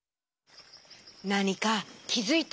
なにかきづいた？